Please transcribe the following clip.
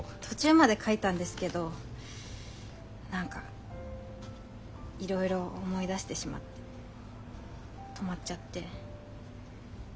途中まで書いたんですけど何かいろいろ思い出してしまって止まっちゃって。